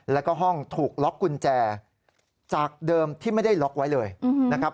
แล้วก็ห้องถูกล็อกกุญแจจากเดิมที่ไม่ได้ล็อกไว้เลยนะครับ